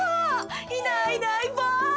いないいないばあ。